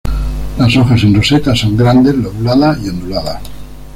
Las hojas en roseta son grandes, lobuladas y onduladas.